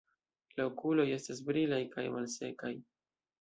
La okuloj estas brilaj kaj malsekaj.